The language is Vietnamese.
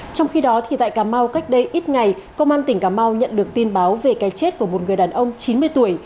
trong khi đó tại cà mau cách đây ít ngày công an tỉnh cà mau nhận được tin báo về cái chết của một người đàn ông chín mươi tuổi